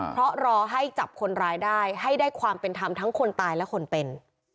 เพราะรอให้จับคนร้ายได้ให้ได้ความเป็นธรรมทั้งคนตายและคนเป็น